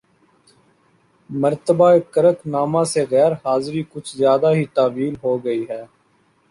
مرتبہ کرک نامہ سے غیر حاضری کچھ زیادہ ہی طویل ہوگئی ہے